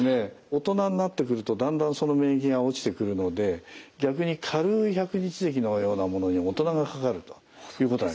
大人になってくるとだんだんその免疫が落ちてくるので逆に軽い百日ぜきのようなものに大人がかかるということがあります。